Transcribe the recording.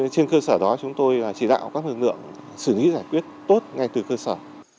trên cơ sở đó chúng tôi chỉ đạo các lực lượng xử lý giải quyết tốt ngay từ cơ sở